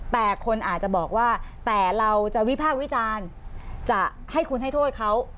แต่คนอาจจะบอกว่าแต่เราจะวิพากษ์วิจารณ์จะให้คุณให้โทษเขา